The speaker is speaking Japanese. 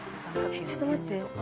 ちょっと待って。